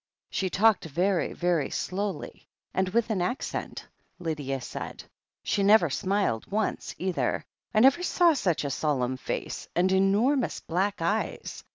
"She talked very, very slowly, and with an accent," Lydia said. "She never smiled once, either — I never saw such a solemn face, and enormous black eyes.